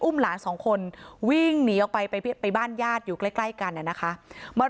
อุ้มหลาน๒คนวิ่งหนีออกไปไปบ้านญาติอยู่ใกล้กันอ่ะนะคะมา